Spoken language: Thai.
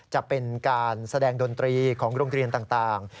จะเป็นการแสดงดนตรีของโรงเรียนต่าง